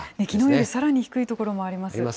きのうよりさらに低い所もあります。